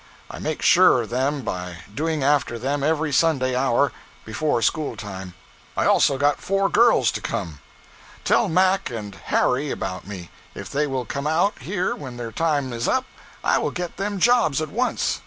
i make sure of them by going after them every Sunday hour before school time, I also got 4 girls to come. tell Mack and Harry about me, if they will come out here when their time is up i will get them jobs at once.